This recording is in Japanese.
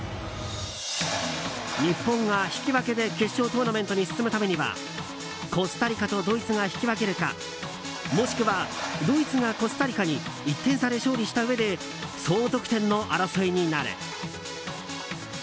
日本が引き分けで決勝トーナメントに進むためにはコスタリカとドイツが引き分けるかもしくは、ドイツがコスタリカに１点差で勝利したうえで総得点の争いになる。